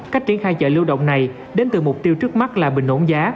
cách triển khai chợ lưu động này đến từ mục tiêu trước mắt là bình ổn giá